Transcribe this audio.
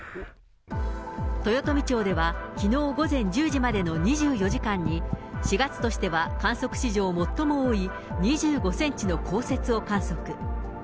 豊富町では、きのう午前１０時までの２４時間に、４月としては観測史上最も多い２５センチの降雪を観測。